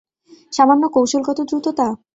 সামান্য - কৌশলগত দ্রুততা?